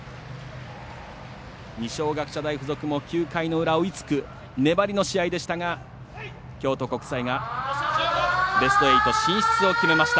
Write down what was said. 二松学舎大付属も９回の裏追いつく、粘りの試合でしたが京都国際がベスト８進出を決めました。